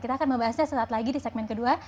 kita akan membahasnya sesaat lagi di segmen kedua